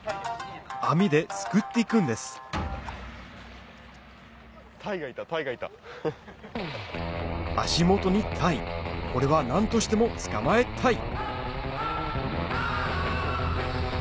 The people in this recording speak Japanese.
網ですくっていくんです足元に鯛これは何としても捕まえタイ！